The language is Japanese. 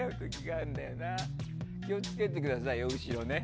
気を付けてくださいよ、後ろね。